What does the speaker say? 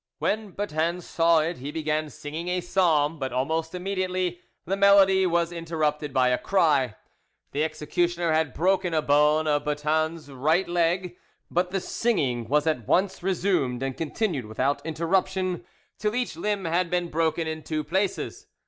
When Boeton saw it he began singing a psalm, but almost immediately the melody was interrupted by a cry: the executioner had broken a bone of Boeton's right leg; but the singing was at once resumed, and continued without interruption till each limb had been broken in two places.